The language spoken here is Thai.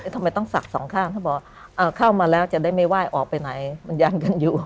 ทำไมต้องศักดิ์สองข้างถ้าบอกเข้ามาแล้วจะได้ไม่ไหว้ออกไปไหนมันยังกันอยู่